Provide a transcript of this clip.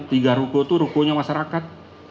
tiga ruku itu rukunya masyarakat